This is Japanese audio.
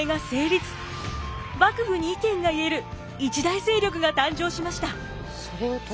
幕府に意見が言える一大勢力が誕生しました。